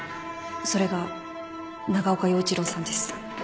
それが長岡洋一郎さんです。